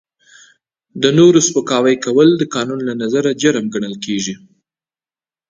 د نورو سپکاوی کول د قانون له نظره جرم ګڼل کیږي.